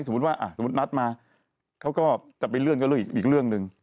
สมมุติว่าสมมุตินัดมาเขาก็จะไปเลื่อนก็อีกเรื่องหนึ่ง